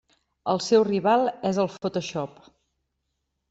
El seu rival és el Photoshop.